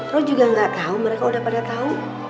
lo juga nggak tau mereka udah pada tau